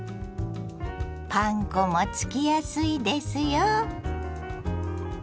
パン粉もつきやすいですよ。